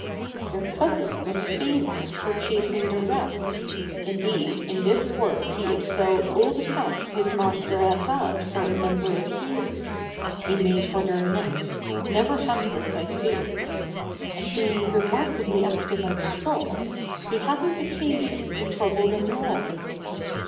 Their Cousin was famous for chasing the rats ; Indeed, in this work he excelled all the cats His master had had for a number of years ; He made for their necks, never hampered by fears ; And being remarkably active and strong, He hadn't occasion to trouble them long.